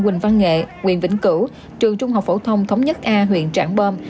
quỳnh văn nghệ quyền vĩnh cửu trường trung học phổ thông thống nhất a huyện trạng bơm